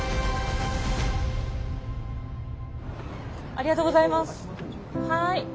ありがとうございます。